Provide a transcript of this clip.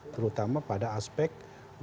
terutama pada aspek guru sering berpengalaman